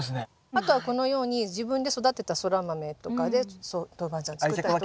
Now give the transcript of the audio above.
あとはこのように自分で育てたソラマメとかでトウバンジャン作ったりとか。